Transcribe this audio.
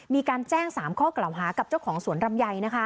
มีการแจ้ง๓ข้อกล่าวหากับเจ้าของสวนลำไย